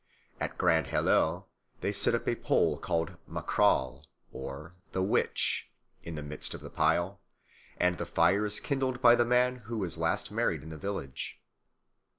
At Grand Halleux they set up a pole called makral, or "the witch," in the midst of the pile, and the fire is kindled by the man who was last married in the village.